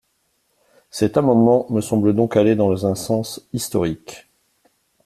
Cet amendement me semble donc aller dans un sens historique.